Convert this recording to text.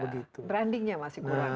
brandingnya masih kurang